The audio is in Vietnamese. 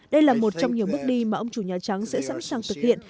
đây là một trong nhiều bước đi mà ông chủ nhà trắng sẽ sẵn sàng thực hiện